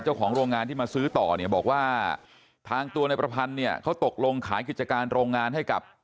เจ้าของโรงงานที่มาซื้อต่อเนี่ยบอกว่าทางตัวนายประพันธ์เนี่ยเขาตกลงขายกิจการโรงงานให้กับ